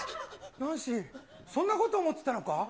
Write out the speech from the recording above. ナンシー、そんなこと思ってたのか。